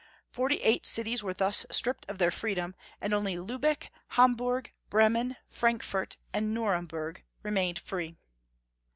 Forty eight cities were thus stripped of their freedom, and only Lubeck, Ham burg, Bremen, Frankfurt, and Nuremberg remained free.